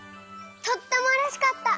とってもうれしかった。